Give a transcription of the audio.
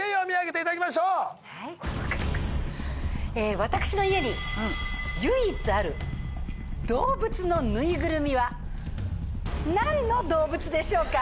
私の家に唯一ある動物のぬいぐるみは何の動物でしょうか？